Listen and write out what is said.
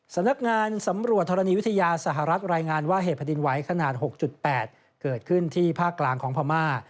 สำนักงานสำรวจธรณีวิทยาสหรัฐรายงานว่าเหตุแผ่นดินไหวขนาด๖๘เกิดขึ้นที่ภาคกลางของพม่า